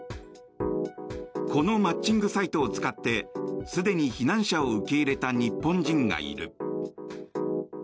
このマッチングサイトを使ってすでに避難者を受け入れた日本人がいる。